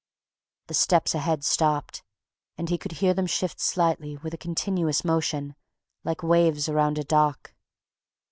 The steps ahead stopped, and he could hear them shift slightly with a continuous motion, like waves around a dock.